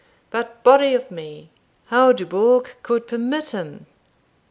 But, body o' me! how Dubourg could permit him!